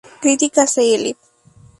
Crítica Cl.